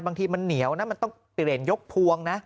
บางทีมันเหนียวนะมันต้องเปลี่ยนยกพวงนะ